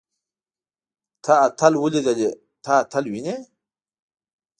تۀ اتل وليدلې. ته اتل وينې؟